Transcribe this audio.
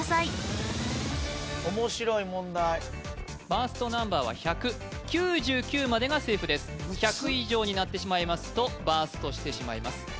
・面白い問題バーストナンバーは１００９９までがセーフです１００以上になってしまいますとバーストしてしまいます